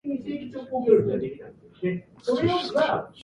Even in learned Germany these errors are not less frequent.